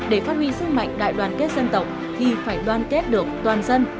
để phát huy sức mạnh đại đoàn kết dân tộc thì phải đoàn kết được toàn dân